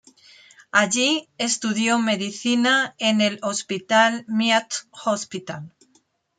Allí estudió medicina en el Hospital Meath Hospital.